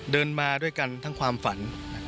เดินมาด้วยกันทั้งความฝัน